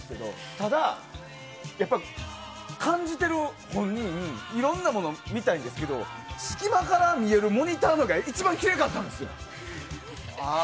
ただ、感じている本人いろんなもの見たいんですけど隙間から見えるモニターの画が一番きれいかったんですよ。